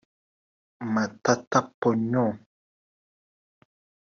Matata Ponyo